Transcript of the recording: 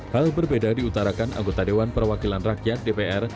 hal berbeda diutarakan anggota dewan perwakilan rakyat dpr